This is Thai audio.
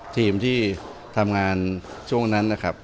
ทีมที่ทำงานช่วงนั้นนะครับ